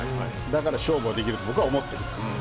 だから勝負はできると僕は思っています。